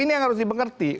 ini yang harus dipengerti